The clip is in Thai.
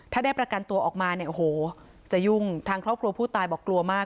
ถ้าได้ประกันตัวออกมาเนี่ยโอ้โหจะยุ่งทางครอบครัวผู้ตายบอกกลัวมาก